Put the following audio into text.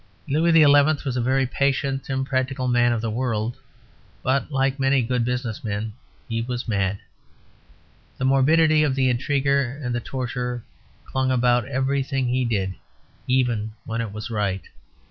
Louis XI was a very patient and practical man of the world; but (like many good business men) he was mad. The morbidity of the intriguer and the torturer clung about everything he did, even when it was right.